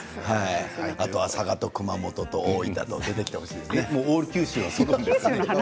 あとは佐賀と熊本と大分が出てくるといいですね。